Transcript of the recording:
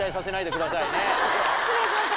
失礼しました。